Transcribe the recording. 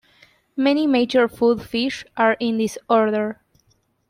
Many major food fish are in this order.